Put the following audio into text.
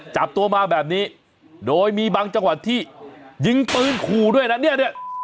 จับตัวมาแบบนี้โดยมีบางจังหวัดที่ยิงปืนขู่ด้วยนะเนี่ย